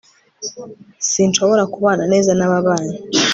sinshobora kubana neza nababanyi